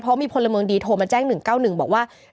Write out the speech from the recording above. เพราะมีพลเมืองดีโทรมาแจ้ง๑๙๑บอกว่า